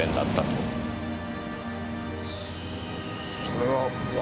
それは。